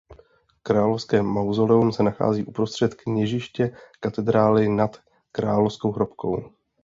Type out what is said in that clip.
Královské mauzoleum se nachází uprostřed kněžiště katedrály nad Královskou hrobkou.